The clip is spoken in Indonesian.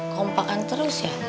kompakan terus ya